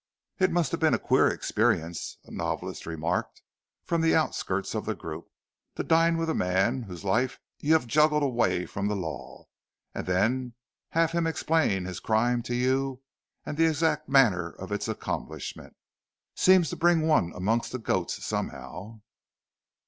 "It must have been a queer experience," a novelist remarked from the outskirts of the group, "to dine with a man whose life you have juggled away from the law, and then have him explain his crime to you, and the exact manner of its accomplishment. Seems to bring one amongst the goats, somehow."